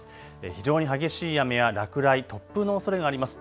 非常に激しい雨や落雷、突風のおそれがあります。